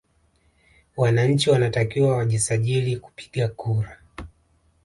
Wananchi wanatakiwa wajisajili kupiga kura